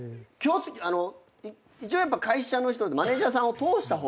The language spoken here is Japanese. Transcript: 一応やっぱ会社の人マネジャーさんを通した方がいいって。